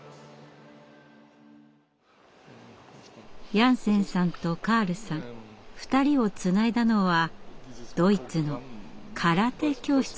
ヤンセンさんとカールさん２人をつないだのはドイツの「空手教室」でした。